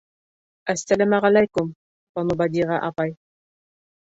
— Әссәләмәғәләйкүм, Банубәдиғә апай.